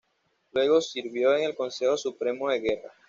Luego sirvió en el Consejo Supremo de Guerra.